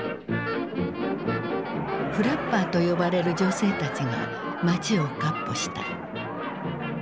フラッパーと呼ばれる女性たちが街をかっ歩した。